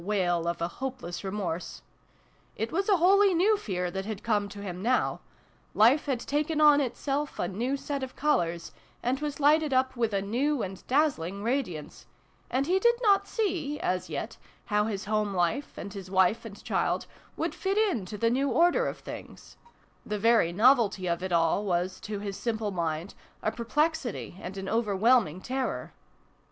85 wail of a hopeless remorse : it was a wholly new fear that had come to him now : life had taken on itself a new set of colours, and was lighted up with a new and dazzling radiance, and he did not see, as yet, how his home life, and his wife and child, would fit into the new order of things : the very novelty of it all was, to his simple mind, a perplexity and an over whelming terror.